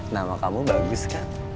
nama kamu bagus kan